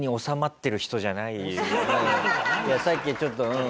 さっきちょっとうん。